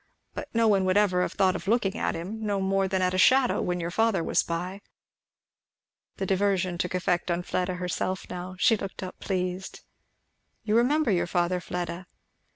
But no one would ever have thought of looking at him, no more than at a shadow, when your father was by." The diversion took effect on Fleda herself now. She looked up pleased. "You remember your father, Fleda?"